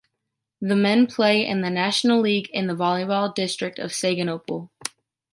The men play in the national league in the volleyball district of Siegen-Olpe.